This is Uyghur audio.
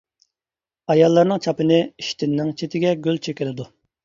ئاياللارنىڭ چاپىنى، ئىشتىنىنىڭ چېتىگە گۈل چېكىلىدۇ.